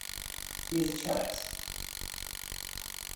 He is a cellist.